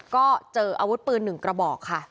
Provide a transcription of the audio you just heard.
ก็เจออาวุธปืน๑กระบอกค่ะ